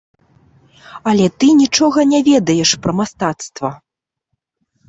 Але ты нічога не ведаеш пра мастацтва.